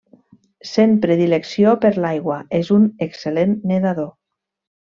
Sent predilecció per l'aigua, és un excel·lent nedador.